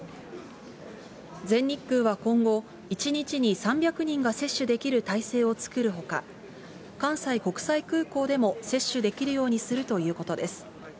全日空は今後、１日に３００人が接種できる態勢を作るほか、関西国際空港でも接種できるようにするということです。